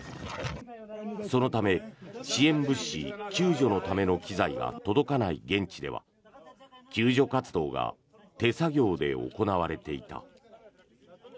そのため、支援物資救助のための機材が届かない現地では救助活動が手作業で行われていた。